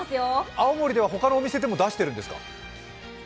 青森では他のお店でも出しているんですか？